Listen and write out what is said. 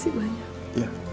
terima kasih banyak